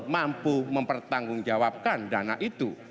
mampu mempertanggung jawabkan dana itu